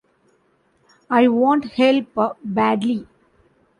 I want help badly.